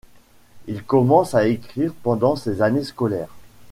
Il commence à écrire pendant ses années scolaires.